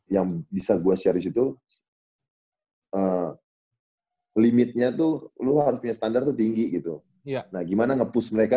yang bisa gue shari disitu limitnya tuh lo harus punya standar tuh tinggi gitu ya nah gimana nge push mereka